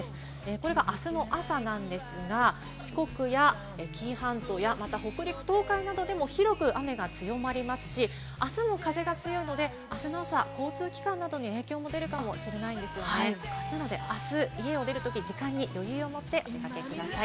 これが明日の朝なんですが、四国や紀伊半島、また北陸、東海などでも広く雨が強まりますし、明日も風が強いので、明日の朝、交通機関などに影響が出るかもしれないですので、明日、家を出るとき、時間に余裕をもってお出かけください。